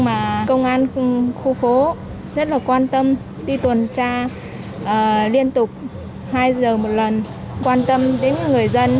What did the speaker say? mà công an khu phố rất là quan tâm đi tuần tra liên tục hai giờ một lần quan tâm đến người dân